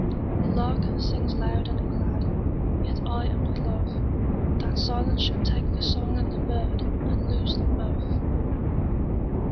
The lark sings loud and glad, Yet I am not lothThat silence should take the song and the birdAnd lose them both.